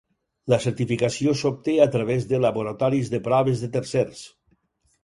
La certificació s'obté a través de laboratoris de proves de tercers.